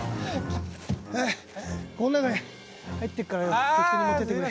この中に入ってっからよ適当に持ってってくれ。